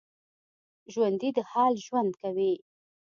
ژوندي د حال ژوند کوي